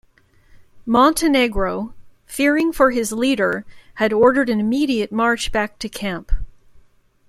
Montenegro, fearing for his leader, had ordered an immediate march back to camp.